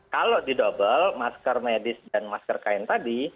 kalau di double masker medis dan masker kain tadi